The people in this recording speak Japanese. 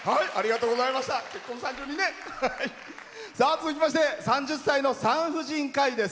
続きまして３０歳の産婦人科医です。